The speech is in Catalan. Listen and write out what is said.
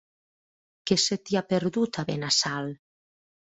Què se t'hi ha perdut, a Benassal?